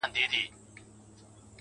موږ ته تر سهاره چپه خوله ناست وي,